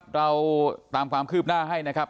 เราตามความคืบหน้าให้นะครับ